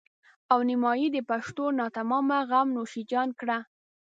او نيمایي د پښتنو ناتمامه غم نوش جان کړه.